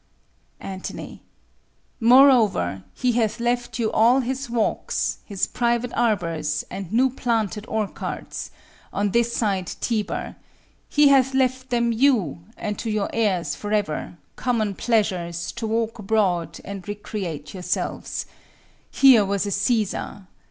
Ant. Moreover, he hath left you all his walks, His private arbours, and new planted orchards, On this side Tiber; he hath left them you, And to your heirs forever, common pleasures, To walk abroad, and recreate yourselves. Here was a Cæsar!